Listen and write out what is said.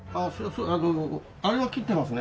あれは切ってますね